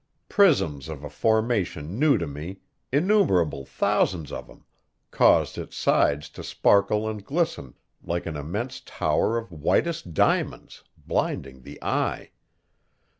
Prisms of a formation new to me innumerable thousands of them caused its sides to sparkle and glisten like an immense tower of whitest diamonds, blinding the eye.